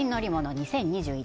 ２０２１